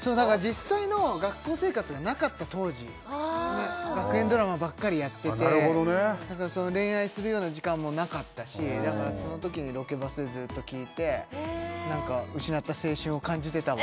そう何か実際の学校生活がなかった当時学園ドラマばっかりやっててなるほどねだから恋愛するような時間もなかったしその時にロケバスでずっと聴いて何か失った青春を感じてたわ